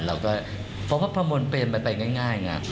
เราก็เพราะว่าประมวลเปรมไปง่ายไง